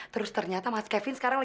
su bugs di covid siapa who